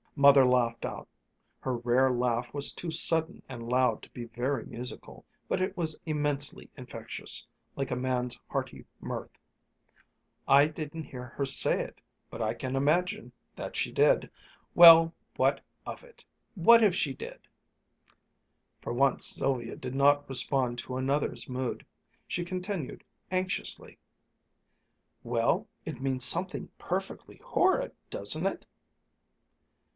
'" Mother laughed out. Her rare laugh was too sudden and loud to be very musical, but it was immensely infectious, like a man's hearty mirth. "I didn't hear her say it but I can imagine that she did. Well, what of it? What if she did?" For once Sylvia did not respond to another's mood. She continued anxiously, "Well, it means something perfectly horrid, doesn't it?"